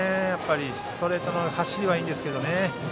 ストレートの走りはいいんですけどね。